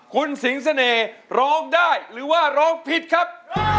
คุณสิงเสน่ห์ร้องได้หรือว่าร้องผิดครับ